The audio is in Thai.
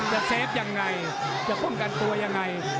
จะเซฟอย่างไรจะป้องกันตัวยังไง